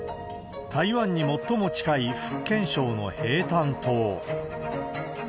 台湾に最も近い福建省の平潭島。